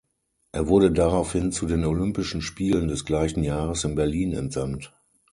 Er wurde daraufhin zu den Olympischen Spielen des gleichen Jahres in Berlin entsandt.